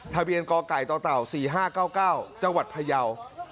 ทะเบียนกไก่ตเต่า๔๕๙๙จังหวัดพระเยาว์